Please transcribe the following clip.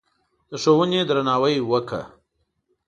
د ښوونې درناوی وکړه.